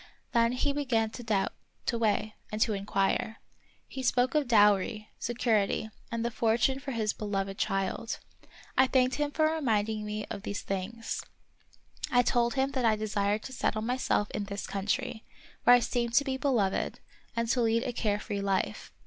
Then he began to doubt, to weigh, and to inquire. He spoke of dowry, security, and the fortune for his beloved child. I thanked him for reminding me of these things. I told him that I desired to settle myself in this country, where I seemed to be beloved, and to lead a care free life.